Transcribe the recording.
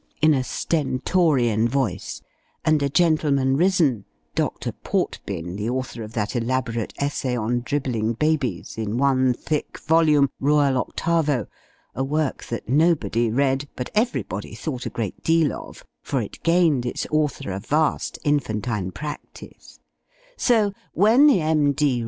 in a stentorian voice; and a gentleman risen, Dr. Portbin, the author of that elaborate essay on "Dribbling Babies," in one thick volume, royal octavo a work that nobody read, but everybody thought a great deal of, for it gained its author a vast infantine practice: so, when the M.D.